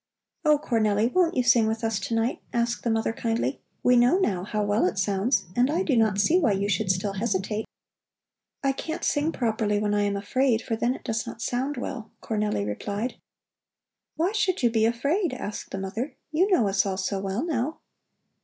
"Oh, Cornelli, won't you sing with us tonight?" asked the mother kindly. "We know now how well it sounds, and I do not see why you should still hesitate." "I can't sing properly when I am afraid, for then it does not sound well," Cornelli replied. "Why should you be afraid?" asked the mother. "You know us all so well now."